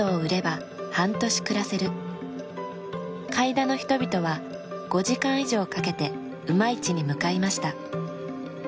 開田の人々は５時間以上かけて馬市に向かいました。